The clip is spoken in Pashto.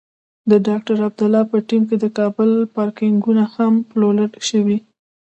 د ډاکټر عبدالله په ټیم کې د کابل پارکېنګونه هم پلورل شوي.